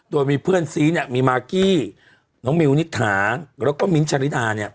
โดยมีเพื่อนซีมีมากกี้น้องมิวนิถาและมิ้นชะริดา